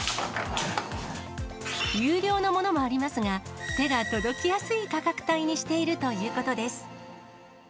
有料のものもありますが、手が届きやすい価格帯にしているということです。